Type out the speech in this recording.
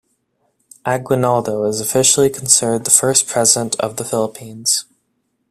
Aguinaldo is officially considered the first President of the Philippines.